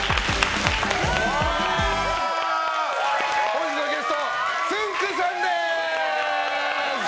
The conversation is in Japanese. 本日のゲストつんく♂さんです！